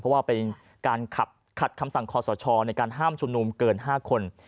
เพราะว่าเป็นการขัดคำสั่งคอสชในการห้ามชุมนุมเกิน๕คน